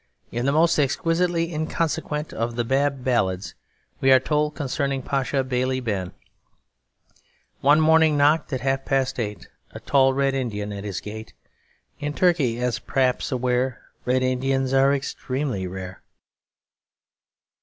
In the most exquisitely inconsequent of the Bab Ballads, we are told concerning Pasha Bailey Ben: One morning knocked at half past eight A tall Red Indian at his gate. In Turkey, as you 'r' p'raps aware, Red Indians are extremely rare.